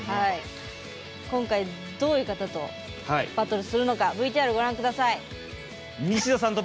今回、どういう方とバトルするのかＶＴＲご覧ください。